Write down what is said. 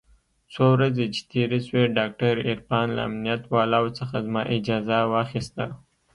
څو ورځې چې تېرې سوې ډاکتر عرفان له امنيت والاو څخه زما اجازه واخيسته.